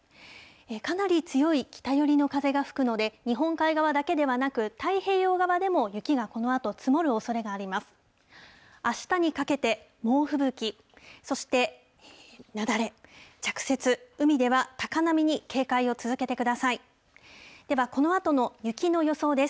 かなり強い北寄りの風が吹くので、日本海側だけではなく、太平洋側でも雪がこのあと積もるおそれがあります。